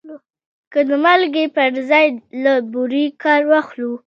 که د مالګې پر ځای له بورې کار واخلو؟